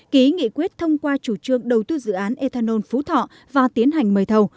ký nghị quyết thông qua chủ trương đầu tư dự án ethanol phú thọ và tiến hành mời thầu